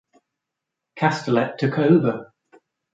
Castellet took over.